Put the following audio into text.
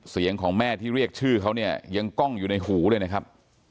เสียงของแม่ที่เรียกชื่อเขาเนี่ยยังกล้องอยู่ในหูเลยนะครับ